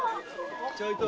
ちょいと！